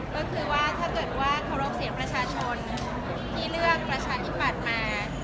ก็คือว่าถ้าเกิดว่าเคารพเสียงประชาชนที่เลือกประชาธิปัตย์มา